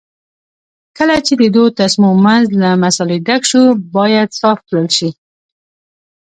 کله چې د دوو تسمو منځ له مسالې ډک شو باید صاف کړل شي.